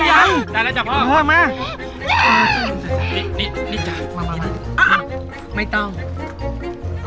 คนเด็ก